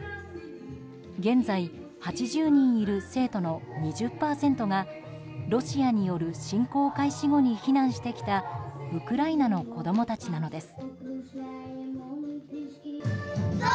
現在、８０人いる生徒の２０％がロシアによる侵攻開始後に避難してきたウクライナの子供たちなのです。